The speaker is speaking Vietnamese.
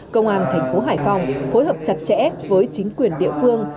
công an thành phố hải phòng phối hợp chặt chẽ với chính quyền địa phương